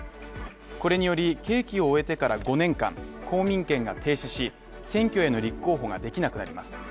これにより、刑期を終えてから５年間、公民権が停止し、選挙への立候補ができなくなります。